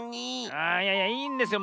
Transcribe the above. ああいやいやいいんですよ。